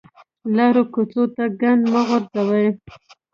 لارو کوڅو ته ګند مه غورځوئ